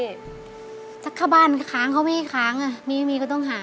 สักขบ้านก็ค้างเขามีค้างมีก็ต้องหา